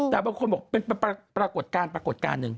แต่บางคนบอกเป็นปรากฏการณ์หนึ่ง